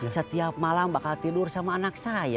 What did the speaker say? setiap malam bakal tidur sama anak saya